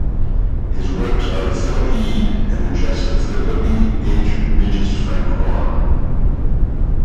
His works are the "Philippide" and the "Gesta Philippi H. regis Francorum".